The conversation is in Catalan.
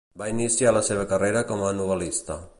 Va iniciar la seva carrera com a novel·lista.